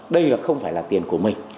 đây là không phải là tiền của mình